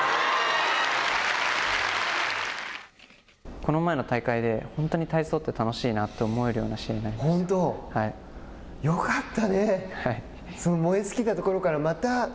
この前の大会で本当に体操って楽しいなと思えるような試合になりました。